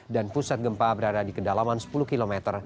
dan pusat gempa berada di kedalaman sepuluh km